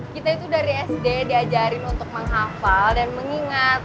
kita itu dari sd diajarin untuk menghafal dan mengingat